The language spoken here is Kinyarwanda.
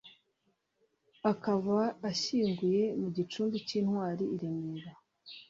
akaba ashyinguye mu gicumbi cy’Intwari i Remera